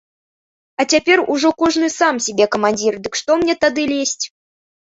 А цяпер ужо кожны сам сабе камандзір, дык што мне тады лезці.